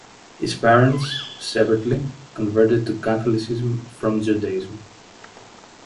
His parents, separately, converted to Catholicism from Judaism.